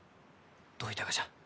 どういたがじゃ？